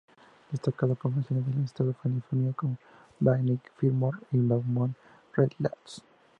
Destacando poblaciones del estado de California como Banning, Fillmore, Beaumont y Redlands.